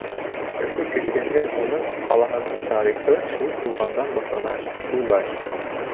Өфө кешеһе уның ҡалаһының тарихы ул тыуғандан башлана, тип уйлай.